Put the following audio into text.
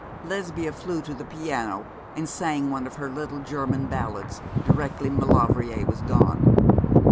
Lesbia flew to the piano and sang one of her little German ballads directly Maulevrier was gone.